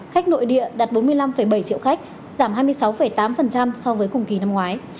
khách nội địa đạt bốn mươi năm bảy triệu khách giảm hai mươi sáu tám so với cùng kỳ năm ngoái